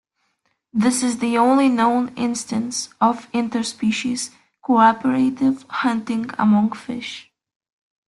This is the only known instance of interspecies cooperative hunting among fish.